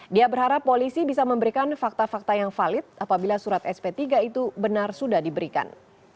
dia berharap polisi bisa memberikan fakta fakta yang valid apabila surat sp tiga itu benar sudah diberikan